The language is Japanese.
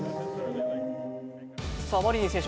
マリニン選手